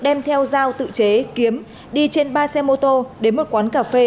đem theo giao tự chế kiếm đi trên ba xe mô tô đến một quán cà phê